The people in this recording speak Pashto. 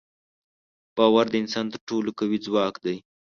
باور د انسان تر ټولو قوي ځواک دی.